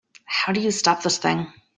How do you stop this thing?